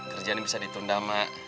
kerja ini bisa ditunda mak